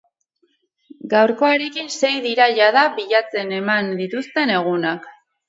Gaurkoarekin, sei dira jada bilatzen eman dituzten egunak.